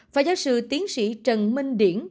phạm giáo sư tiến sĩ trần minh điển